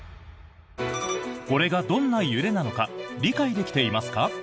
これがどんな揺れなのか理解できていますか？